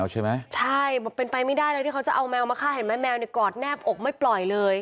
เห็นไหมแมวในกอดแนบอกไม่เปล่อยเลย